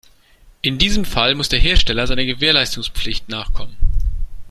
In diesem Fall muss der Hersteller seiner Gewährleistungspflicht nachkommen.